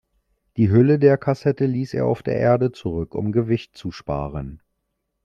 Die Hülle der Cassette ließ er auf der Erde zurück, um Gewicht zu sparen.